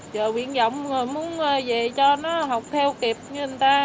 rồi miệng giọng là muốn về cho nó học theo kịp như người ta